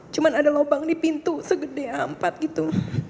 cuma ada lubang di pintu segede empat gitu